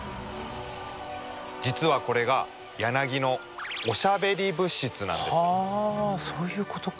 実はこれがヤナギのそういうことか。